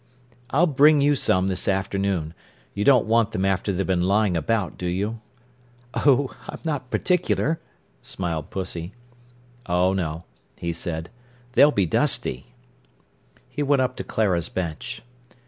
"I'll bring you some this afternoon. You don't want them after they've been lying about, do you?" "Oh, I'm not particular," smiled Pussy. "Oh no," he said. "They'll be dusty." He went up to Clara's bench.